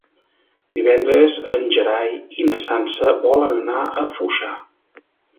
Divendres en Gerai i na Sança volen anar a Foixà.